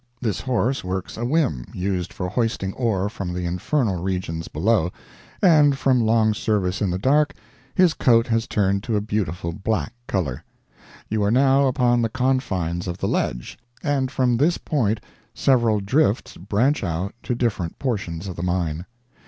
This horse works a whim used for hoisting ore from the infernal regions below, and from long service in the dark, his coat has turned to a beautiful black color. You are now upon the confines of the ledge, and from this point several drifts branch out to different portions of the mine.